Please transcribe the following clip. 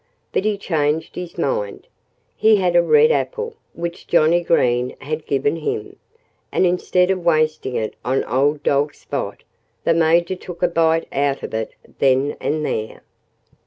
But he changed his mind. He had a red apple, which Johnnie Green had given him. And instead of wasting it on old dog Spot, the Major took a bite out of it then and there.